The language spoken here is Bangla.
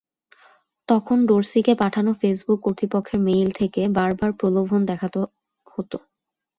তখন ডরসিকে পাঠানো ফেসবুক কর্তৃপক্ষের মেইল থেকে বারবার প্রলোভন দেখাতো হতো।